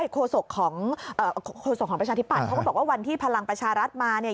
โฆษกของโฆษกของประชาธิปัตยเขาก็บอกว่าวันที่พลังประชารัฐมาเนี่ย